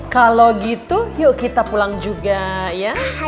kalau gitu yuk kita pulang juga ya